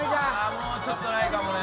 もうちょっとないかもね。